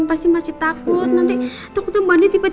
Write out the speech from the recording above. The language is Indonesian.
papa jangan pergi papa